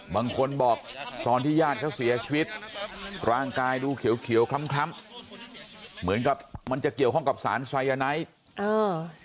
บางคนบอกตอนที่ญาติเขาเสียชีวิตร่างกายดูเขียวเขียวคล้ำคล้ำเหมือนกับมันจะเกี่ยวข้องกับสารไซยาไนท์เออ